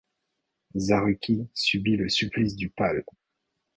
Zarucki subit le supplice du pal.